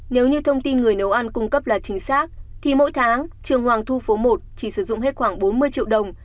nếu như thông tin người nấu ăn cung cấp là chính xác thì mỗi tháng trường hoàng thu phố một chỉ sử dụng hết khoảng bốn mươi triệu đồng